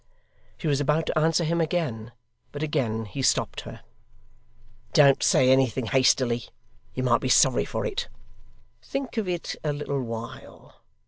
She was about to answer him again, but again he stopped her. 'Don't say anything hastily; you might be sorry for it. Think of it a little while.